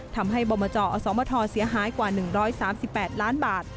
ทำให้บมจอสมทเสียหายกว่า๑๓๘ล้านบาท